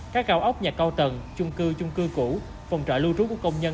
các cao ốc nhà cao tầng chung cư chung cư cũ phòng trọ lưu trú của công nhân